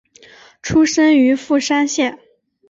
出身于富山县。